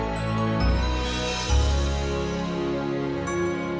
sampai ketemu di luar ya